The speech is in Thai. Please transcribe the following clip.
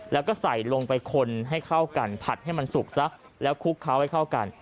แล้วก็ใส่ลงไปคนให้เข้ากันผัดให้มันสุกซะแล้วคลุกเคล้าให้เข้ากัน